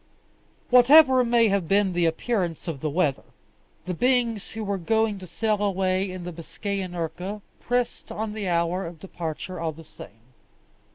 Whatever may have been the appearance of the weather, the beings who were going to sail away in the Biscayan urca pressed on the hour of departure all the same.